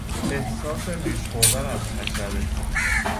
احساس نیش خوردن از حشره